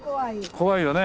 怖いよね。